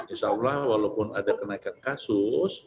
insya allah walaupun ada kenaikan kasus